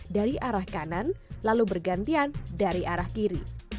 dari arah kanan lalu bergantian dari arah kiri